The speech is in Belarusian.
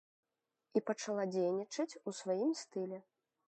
І пачала дзейнічаць у сваім стылі.